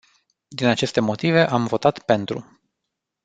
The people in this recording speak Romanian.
Din aceste motive, am votat pentru.